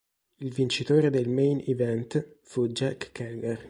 Il vincitore del Main Event fu Jack Keller.